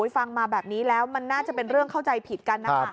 ฟังมาแบบนี้แล้วมันน่าจะเป็นเรื่องเข้าใจผิดกันนะคะ